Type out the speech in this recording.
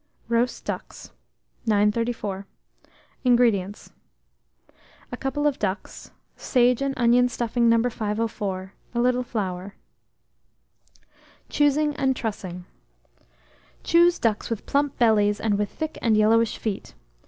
ROAST DUCKS. 934. INGREDIENTS. A couple of ducks; sage and onion stuffing No. 504; a little flour. Choosing and Trussing. Choose ducks with plump bellies, and with thick and yellowish feet.